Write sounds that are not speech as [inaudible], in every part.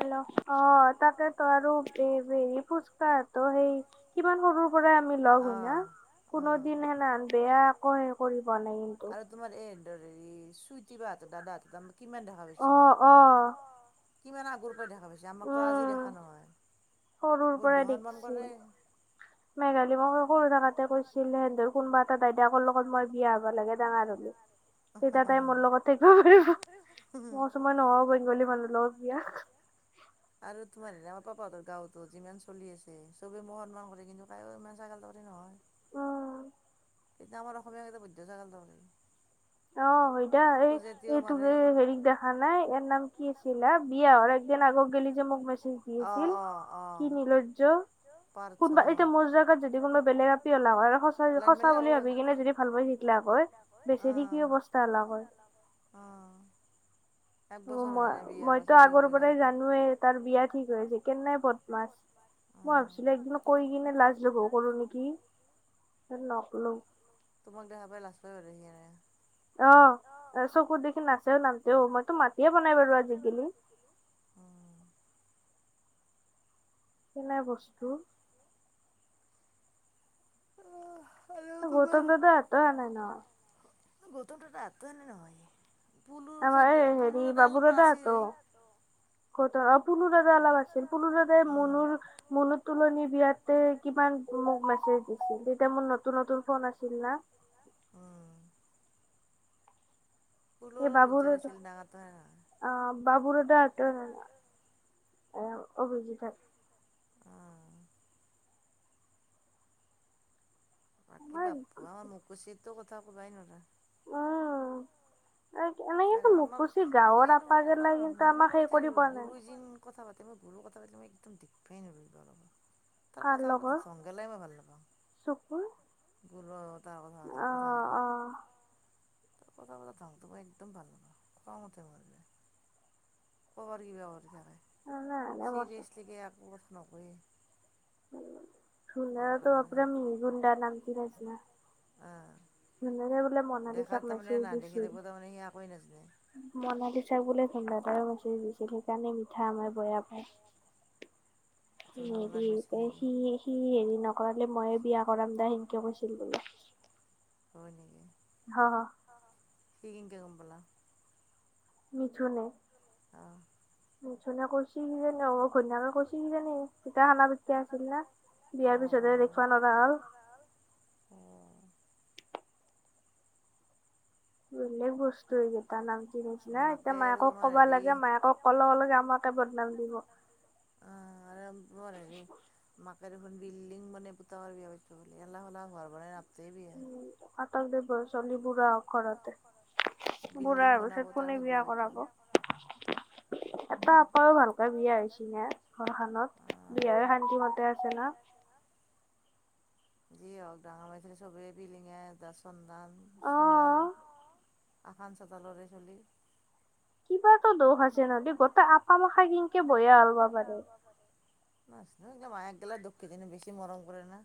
Hello. অহ, তাকেতো আৰু [unintelligible] ফুচকাহাঁতেও সেই কিমান সৰুৰ পৰাই আমি লগ হয় না? কোনো দিন সেনে হেন বেয়া একো সেই কৰিব পোৱা নাই কিন্তু। এহেন্তৰ হেৰি চুইতি বাহাঁতৰ দাদাহাঁতৰ আমাক কিমান দেখা পাইছি। কিমান আগৰ পৰাই দেখা পাইছি, আমাকতো আজি দেখা নহয়। সৰুৰ পৰাই দেখছি। মেঘালী মই সৰু থাকাতে কৈছিল, সেহেন্তৰ কোনোবা এটা দাদাকৰ লগত মই বিয়া হ'ব লাগে ডাঙৰ হলি। তেতিয়া তাই মৰ লগত থাকিব পাৰিব, মই কৈছো মই নহওঁ বেংগলী মানুহৰ লগত বিয়া। আৰু তোমাৰ হয়না পাপা হাতৰ গাঁৱতো যিমান চলি আছে, চবে মোক সন্তান কৰে কিন্তু কাইও ইমান ছাগলৰ দৰে নহয়। অহ। কিন্তু আমাৰ অসমীয়া কেইটা বৈদ্দ ছাগলৰ দৰে। অহ, হয়দা। এই-এইতোক হেৰিক দেখা নাই, ইয়াৰ নাম কি আছিলা হা? বিয়া হোৱাৰ এক এদিন আগক গেলি যে মোক মেছেজ দিয় আছিল, কি নীলজ্জ। কোনোবা, এতিয়া মোৰ জেগাত যদি কোনোবা বেলেগ আপি হ'লা হয়! আৰু সঁচাই-সঁচা বুলি ভাবি কিনে যদি ভাল পায় পায় থাকিলাক হৈ বেচেৰিক অহ', অহ'। অ' মই-মইতো আগৰ পৰাই জানোৱেই তাৰ বিয়া ঠিক হৈ আছিল, কেনেই বদমাছ। মই ভাবিছিলোঁ একদিন কৈ কিনে লাজ লঘো কৰো নেকি, তাৰপিছত নকলো। তোমাক দেখা পায় লাজ [unintelligible] অ', চকুৰ দেখি নাচেও, নামতেও। মইতো মাতিয়ে পোৱা নাই বাৰু আজি গেলি। উম কেনে বস্তু [inaudible] গৌতম দাদা আতৰা নাই ন? গৌতম দাদা আতৰা নাই নহয়। [unintelligible] পুলু দাদা অলপমান আছেই গৌতম, অ, পুলু দাদা আলপ আছিল, পুলু দাদাই মুনুৰ মুনুৰ তোলনি বিয়াতে কিমান মোক মেছেজ দিছিল, তেতিয়া মোৰ নতুন নতুন ফোন আছিল না উম এই বাবু দাদা, অ' বাবু দাদাহঁতেই ভাল আও অ', অভিজিৎহঁত। অ' বাকী বাপা অ', [unintelligible] কথা ক'বাই নৰা উম এনে কিন্তু মুকুচি গাঁৱৰ আপা গেলাই কিন্তু আমাক সেই কৰি পোৱা নাই। কথা পাতিব, গুৰুৰ কথা পাতিব মই একদম দেখবাই নোৱাৰো [unintelligible] তাৰ কথা পাতা ঢং গিলাই মই ভাল নাপাওঁ গুৰ আৰু তাৰ কথা বাৰ্তা, কথা গিলাক, তাৰ কথা পাতা ঢং টো মই একদম ভাল নাপাওঁ, খং উঠে মোৰ যে, কবাৰ কিবাৰ কৰি থাকে চিৰিয়াছলিকৈ একো কথা নকয়ে ধুনাৰ টো আপনাৰ মিহি গুণ্ডা, নামটো নাজ--না আ ধুনুৱে বোলে মনালিছাক মেছেজ দিছিল মনলিছাই বোলে ধুন দাদাক মেচেজ দিছিল, সেইকাৰণে মিঠা আমে বেয়া পায়। সি নিদিয়েই, [unintelligible] সি হেৰি নকৰালে ময়ে বিয়া কৰাম দা, সেনকে কৈছিল বোলে। হয় নেকি? হ, হ। সি কেংকে গম পালা? মিঠুনে অ' মিঠুনে কৈছিল কিজানি, অ', ঘৈনিয়েকে কৈছিল কিজানি, দুইতা সানা পিতকা আছিল না বিয়াৰ পিছতহে দেখবা নৰা হ'ল অ' বেলেগ বচ সেই [unintelligible] নামটো নাজনা, এতিয়া মায়কক কবা লাগে, মায়কক কব গলে আমাকে বদনাম দিব। অ', [inaudible] মাকে দেখোন বিল্ডিং বনাই পুতেকৰ বিয়া পাতব বোলে, এলা‌ হোলা ঘৰ বনাই নাপতে বিয়া। পাতক দে ঘৰৰ ছলি বুঢ়া হক ঘৰতে। বুঢ়া হোৱাৰ পিছত কোনে বিয়া কৰাব? এটা আপাৰো ভালকে বিয়া হৈছি না? ঘৰ খনত, বিয়া শান্তি মতে আছে না যিয়ে হওঁক, ডাঙৰ বাই [unintelligible] আখান চোতালৰে চলি কিবাতো দোষ আছে ন, গোটেই আপা মখাই কেনকে বয়া ওলবা পাৰে নাজানোঁ মাইক গিলাক দোখ কিজানি একদম বছি মৰম কৰে না।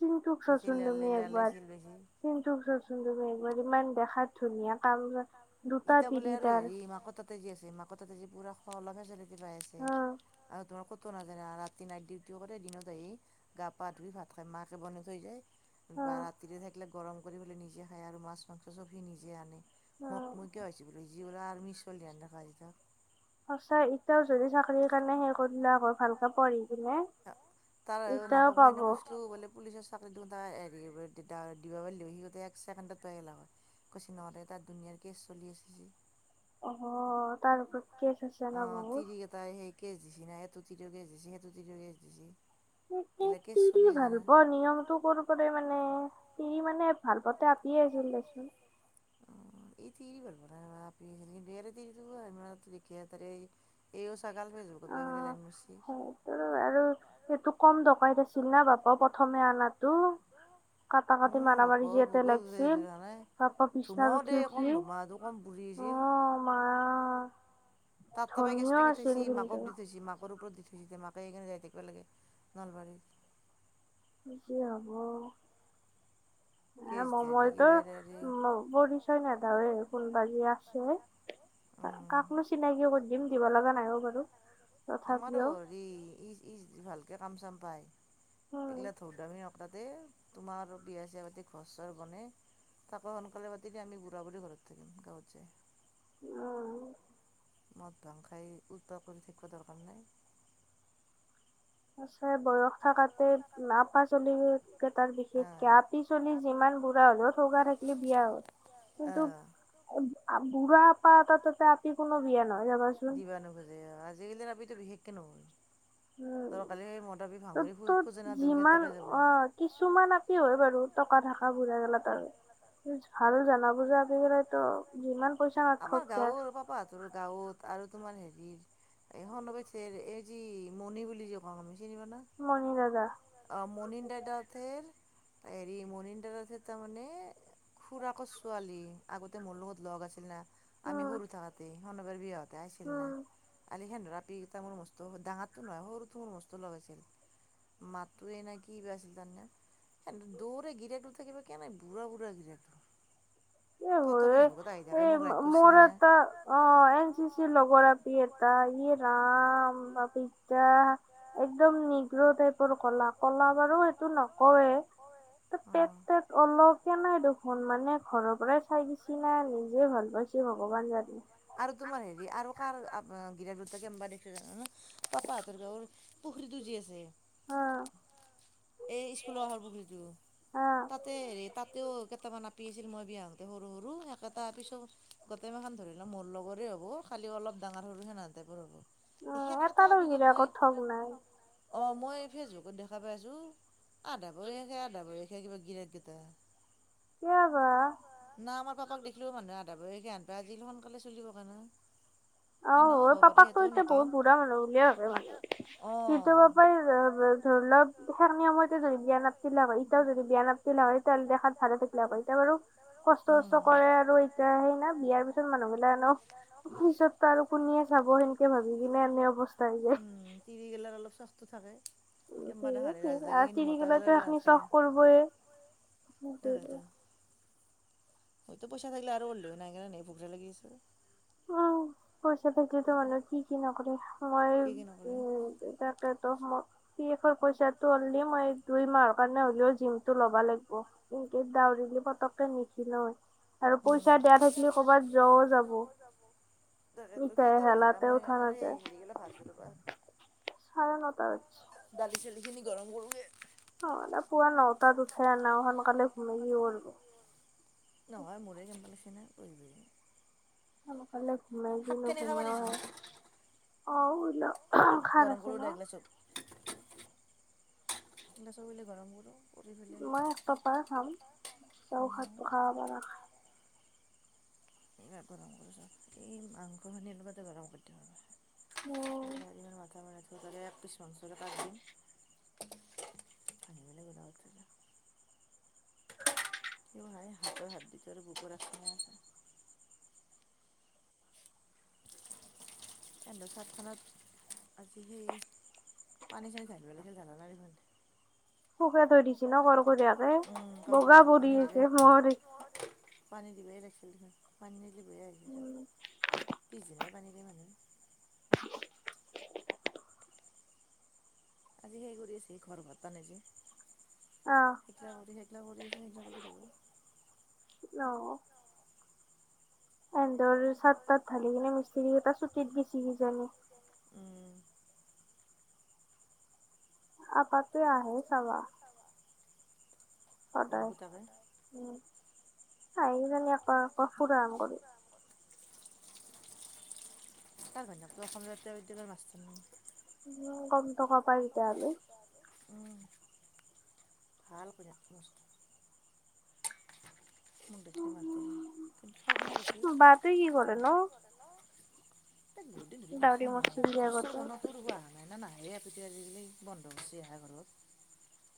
চুনু টো চোৱা চোন তুমি একবাৰ। চিনু টো চোৱা চোন তুমি একবাৰ ইমান দেখাত ধুনীয়া কাম দুটা তিনিটাৰ তাৰ আছে মাকৰ তাতে যে পূৰা খোৱাৰ লোৱাৰ চেলেটি পায় আছে আৰু ধৰা ক'ত কটো নাজায় ৰাতি নাইট ডিউটিও কৰে দিনত আহি গা পা ধুই ভাত খাই মাকে বনাই থৈ যায়। বা ৰাতিৰে থাকিলে গৰম কৰি পেলে নিজে খায় আৰু মাছ মাংস চব সি নিজে আনে। মোক মোকয়ীয়া হৈছে বো যি বোলো আৰ্মি চলিহেন দেখা যায় সঁচা এতিয়াও যদি চাকৰিৰ কাৰণে সেই কৰিলাক হয় ভালকে পঢ়ি কিনে তাৰ মাকক মই সিনা কৈচলো বোলে পুলিচৰ চাকৰিটো তাৰ এৰি দিব পাৰিলে সি একচেকেণ্ডত পাই গেলাক হয় কৈছি নৰে তাত দুুনীয়াৰ কেছ চলি আছে যি। অ', তিৰি তাই সেই কেচ দিচি না এইটো তিৰি সেটো কেচ দিচি সেইটো যিটো কেচ দিচি। এইবিলাক কেচ কি ভাল পোৱা নিয়মতটো কৰ পৰে মানে সি মানে ভাল পাওঁতে আপিয়ে আছিল দেচোন [inaudible] এই তিৰি [unintelligible] এইও ছাগাল হৈ যে [unintelligible] [unintelligible] এইটো কম দকাইত আছিল না বাপা প্ৰথমে আনাটো কাটা কাটি মাৰা মাৰী বেজী এটা লাগছিল তাৰ পৰা বিছনাত উঠি উঠি আ মা তাত তাৰ পৰাই গেছটো উঠাইছে, মাকক দি থৈছে মাকৰ [unintelligible] মাকে এইকাৰণে যাই থাকিব লাগে নলবাৰীত কি হব? আ [unintelligible] [unintelligible] নাযাওঁ য়ে ফোনবাজি আছে কাকনো চিনাকি কৰি দিম দিব লগা নাইও বাৰু তথাপিও ই ইচ ইচ ই ভালকে কাম চাম পায় এইগিলা ধোদামী [unintelligible] থেই তোমাৰ আৰু বিয়া চিয়া পাতি ঘৰ চৰ বনে তাকো সোনকালে পাতি দে আমি বুঢ়া বুঢ়ী ঘৰত থাকিম গাঁৱত যে অ'। মদ ভাং খাই সি উলটা কৰি থাকিব দৰকাৰ নাই। আছে বয়স। থাকতে আপাচলি কেইটাৰ বিশেষকৈ আপি চলি যিমান বুঢ়া হলেও ঠগা থাকে। বিয়া হৈ অহ। বুঢ়া আপা এটাৰ তাতে আপি কোনো বিয়া নহয় চাবাচোন। দিবা নোখোজে [unintelligible] আজিকালিৰ আপিতো বিশেষকৈ নহই। দৰকাৰ হলি মদাপী ভাঙেৰি খুজেনা তাতে যাব। কিছুমান আপি হয় বাৰু টকা থকা বুঢ়া গেলা [unintelligible] ভাল জানো জানা বুজা আপি কেইটাই যিমান পইচা নাথাকক কিয়া তাহাতৰ গাঁৱত আৰু তোমাৰ হেৰিৰ [unintelligible] মণি বুলি যে কওঁ আমি চিনি পোৱা না? মণি দাদা। অ', মনিন [unintelligible] হেৰি মনিন [unintelligible] তাৰমানে খুৰাকৰ ছোৱালী আগতে মোৰ লগত লগ আছিল না আমি সৰু থাকোতেই [unintelligible] বিয়াত। ইয়াতে আছিল না, কালি সেন্দৰ আপিকেইটা মোৰ মস্তু, ডাঙাতো নহয় সৰুটো মোৰ মস্তো লগ আছিল। মাতটোয়েই নাই কিবা আছিল [unintelligible] দুয়োৰে গিৰিয়েক দুঠা কিবা কেনে বুঢ়া বুঢ়া গিৰিয়েক এই হয় এ, সেই মো-মোৰ এটা অ' এন চি চিৰ লগৰ ই এটা, ইয়ে ৰাম, আমি [unintelligible] নি ৰ' টোৰ ক'লা, ক'লা বাৰু এইটো নকওঁৱেই, তত -তত অলপো নাই দেখোন, মানে ঘৰত পৰাই চাই দিছি না নিজে ভাল পাইছি ভগৱান জানি। আৰু তোমাৰ হেৰি আৰু কাৰ গিৰা দুটা কেনবা দিছে জানানে, পাপাহতৰ গাঁৱৰ পুখৰীটোজে আছে। অ'। এই স্কুলৰ হৰ পুখুৰীটো, তাতে তাতেও কেইটামান আ পাপি আছিল মই বিয়া হওঁতে সৰু সৰু, একেটা পিছত গোটেই মাখন ধৰি ল মোৰ লগৰে হ'ব। খালি অলপ ডাঙৰ সৰু হেন হেন টাইপৰ হ'ব, সেকেতা আপিকো মই [inaudible] অ' মই এই ফেচবুকত দেখা পাই আছোঁ আধা বয়সীয়া আধা বয়সীয়া কিবা গিৰেক গেইটা। [unintelligible] না আমাৰ পাপাক দেখিলো মানে আধা বয়সীয়া সেন পায়, আজিকালি সোনকালে চুলি পকে নহয়। অ' পাপাক তো এতিয়া বহুত বুঢ়া মানুহ বুলিয়ে ভাবে মানে, কিন্তু পাপাই দুৰ্লভ জোখৰ সময়তে যদি বিয়া নাপতিলা হয়, এতিয়াও যদি বিয়া নাপতিলা হয়, তেন্তে দেখাত ভালে থাকিলে হয়, এতিয়া বাৰু কষ্ট চষ্ট কৰে আৰু এতিয়া সেই ন বিয়াৰ পিছত মানুহ বিলাক ইনেও আৰু কোনিয়ে চাব সেনকে ভাবি কিনে এনে অৱস্থা হৈ যায়। উম, তিৰি গেলাৰ অলপ চাচটো থাকে, কেমবা দেখা জাগে কিন্তু মতা গালৰে লা থাকে [unintelligible] তাকেই টো। মইতো পইছা থাকলে আৰু লৈ নেগেলে নাই ভোকৰা লাগি আছে। অ' পইচা থাকিলে টো মানুহে কি কি নকৰে। মই উম, তাকেই টো পি এফৰ পইচাটো অলনি মই দুই মাহ কাৰণে হ'লেও জিম টো ল'ব লাগব, দাউৰিলে পতকে নিখিনাই। উম, আৰু পইচা দিয়া থাকলিউ ক'বাত যোৱাও যাব। তাকেইটো, কেইটা বাজিলে মই এনে হেৰি গিলা পাহৰিছোঁ ৰবা। চাৰে ন'টা বাজছে। দালি চালিখিনি গৰম কৰোঁগে। নহ'লে পুৱা ন'টাত উঠে, নাওঁখন সোনকালে ঘুমে কি কৰব'। নহয় মোৰে কেমবা লাগছি না কি কৰিবি। সোনকালে ঘুমাই কি নো ঘুম হয় অ' অলপ খা খাৰ আছে ন'? ইলা চব ইলা গৰম কৰো। মই টপা খাম চৌ সাত টকা বাৰ এই গৰম কৰিছোঁ, এই মাংসখিনি এনেকুৱাতে গৰম কৰি দিওঁ আৰু। [unintelligible] তাৰে এক পিছ মাংস [unintelligible] [unintelligible] কিয় হয়, হাতৰ হাত [unintelligible] সধো চাটখনত আজি সেই পানী চানি ধালিব লাগিছিল জানা নাই দেখোন শুকাই থৈ দিছি ন কৰ কৰিয়াকে বগা পৰি আছে নোৱাৰি। পানী দিবাই লাগছিল পানী নেদলি বেয়া হৈ যাব চব পিজ দিনাই পানী দে মানুহে। আজি সেই কৰি আছে ঘৰ ভৰ্তা নে যে। অ'। সেইগিলা কৰি সেইগিলাক কৰি আছে সেইগিলাক কৰি দিব। অ'। সেহঁতৰ চাত তাত ঢালি কিনে মিস্ত্ৰী কেইটা চুটিত গেছি কিজানি। উম। [inaudible] হ'ব তাকে। উম, আহিবানে একপাক একপাক ফুৰা হেন কৰি। তাৰ ঘৈনীয়েকটো অসম জাতীয় বিদ্যালয়ত মাষ্টৰনী। উম, কম টকা পাই। উম, ভাল [unintelligible] মোক দেখিলে মাতে কিন্তু থক নাই বেছি। তাইক বহুত দিন ধৰি দেখাই নাই ঘৰ চৰ বনোৱাটোৰ হোৱা। মাইনা নাহেই আজিকালি বন্ধ হৈছে আহাৰ ঘৰত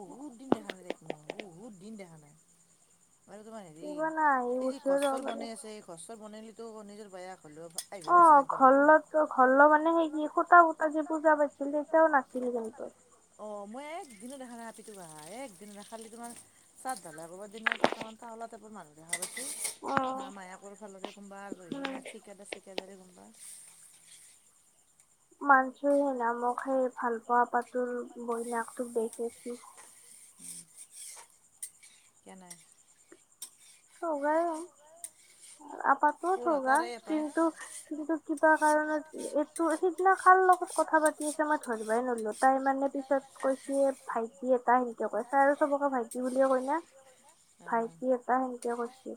বহুত দিন দেখা নাই তাইক মই। বহুত দিন দেখা নাই মানে তোমাৰ হেৰি এই যে ঘৰ ছৰ বনাই আছে। ঘৰ চৰ বনাই হৈলিতো নিজৰ বায়াক হ'লেও অ', ঘৰলত ঘৰ ল মানে সেই যে খুঁটা পুতা যে পূজা পাতিছিল তেতিয়াও নাছিল কিন্তু। অ', মই একদিনো দেখা নাই আপিটোক অহা একদিনো নাই। খালি তোমাৰ চাত ধালাই কৰিব দিনা [unintelligible] তাৰপা মানুহ দেখা পাইছোঁ না মায়াকৰ ফালৰে কোনোবা আলহী না ঠিকাদাৰ চিকা চিকাদাৰে কোনোবা। [inaudible] নামহে ভাল পোৱা [unintelligible] উম, কেনাই। ঠগাইয়ে। আপাতোও ঠগা কিন্তু চলিটো কিবা কাৰণত তো সিদিনা কাৰ লগত কথা পাতি আছে মই ধৰিবই নোৱালো। তাই মানে পিছত কৈছে ভাইটি তাই সেনকে কৈ তাই আৰু চবকে ভাইটি বুলিয়ে কয় না ভাইটি এটা সেনকে কৈছি।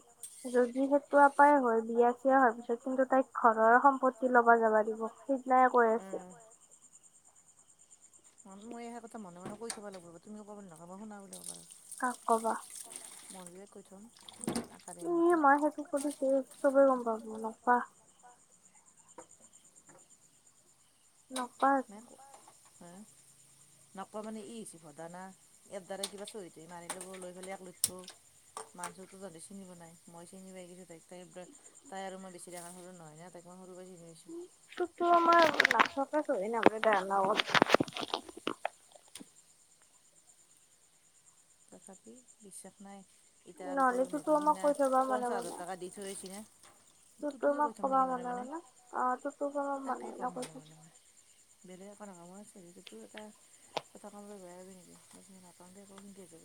যদি সেইটো আপায়ে হয় বিয়া চিয়া হোৱাৰ পিছত কিন্তু তাইক ঘৰৰ সম্পত্তি ল'বা যাবা দিব। তাইয়ে কৈ আছিল। মন মই এষাৰ কথা মনে মনে কৈ থ'ব লাগিব তুমি ক'ব নক'বা শুনা বুলি ক'বা আৰু। কাক ক'বা? [unintelligible] কৈ থম। ই মই সেইটো কলি চবেই গম পাব নাকবা। [inaudible] নক'বা। নাই কো হে! নকওঁ মানে ই হৈছে ঘটনা একবাৰে কিবা চহী টহী মাৰি ল'ব লৈ পেলাই ইয়াক লৈ থ'ব। মানুহতো তহঁতে চিনি পৈৱা নাই মই চিনি পাই গৈছোঁ তাইক। তাই ওপৰত তাই আৰু মই বেছি ডাঙৰ সৰু নহয় ন। তাই মই সৰু পৰাই চিনি পাইছোঁ। [inaudible] তথাপি বিশ্বাস নাই। এতিয়া আৰু তোৰ হেৰি দিনা পঞ্চাছ হাজাৰ টকা দি থৈ আহিছে না। তোৰটোকে কৈ থ'ম নেকি মনে মনে তাকেই ক'ম মনে মনে। বেলেগ একো নকওঁ মই চহীটোতো এটা কথা ক'ম বেয়া পাবি নেকি মই নাপাওঁ দে ক'ম। মই কৈছো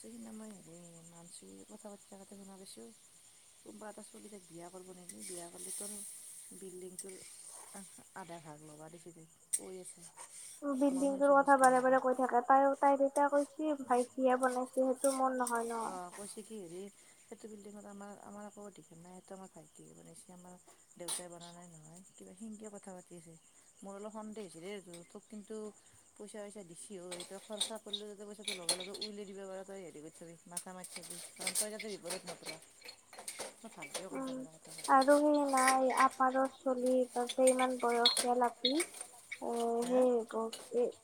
সেইদিনা মই কথা পতি থাকোঁতে শুনা পাইছোঁ। কোনোবা এটা ছোৱালিক বিয়া কৰিব নেকি বিয়া কৰিলেতো বিল্ডিংটো। আ আধা ভাগ ল'ব দিছে দে কৈ আছে। উম বিল্ডিং তোৰ কথা বাৰে বাৰে কৈ থাকা তাই তাই তেতিয়া কৈছে। অ কৈছে কি হেৰি। সেইটো বিল্ডিঙত আমাৰ আমাৰ আকৌ অধিকাৰ নাই এইটো আমাৰ ভাইটি বনাইছে আমাৰ দেউতাই বনোৱা নাই নহয়। কিবা সেনেকে কথা পাতি আছে মোৰ অলপ সন্দেহ হৈছে দে তো তোক কিন্তু। পইচা পইচা দিছেও এতিয়া খৰচা কৰি ল'লে পিছত। লগে লগে উলিয়াই দিব পাৰ তই হেৰি কৰি থবি মাথা মাৰি থবি কাৰণ তই যাতে বিপদত নপৰ। উম আৰু খিনি নাই আপ। পাৰৰ চলি তাতে ইমান বয়সীয়াল আপি এ সেই।